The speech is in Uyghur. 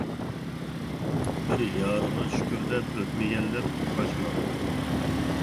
بىر يارىغا شۈكۈر دەپ، ئۆتمىگەنلەر پۇتلاشما.